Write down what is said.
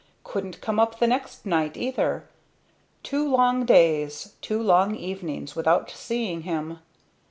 Couldn't come up the next night either. Two long days two long evenings without seeing him.